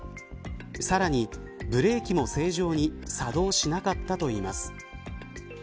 さらに、ブレーキも正常に作動しなかったといいます。